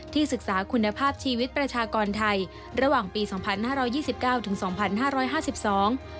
ที่ศึกษาคุณภาพชีวิตประชากรไทยระหว่างปี๒๕๒๙ถึง๒๕๕๒